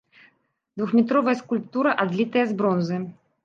Двухметровая скульптура адлітая з бронзы.